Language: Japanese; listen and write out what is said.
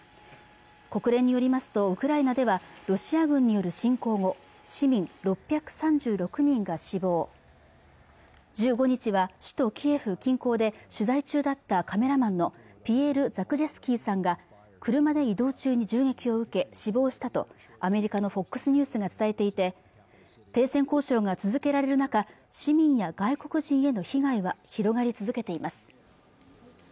国連によりますとウクライナではロシア軍による侵攻後市民６３６人が死亡１５日は首都キエフ近郊で取材中だったカメラマンのピエール・ザクジェスキーさんが車で移動中に銃撃を受け死亡したとアメリカのＦＯＸニュースが伝えていて停戦交渉が続けられる中市民や外国人への被害は広がり続けています